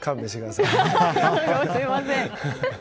すみません。